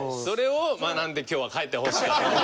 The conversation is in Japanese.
それを学んで今日は帰ってほしい。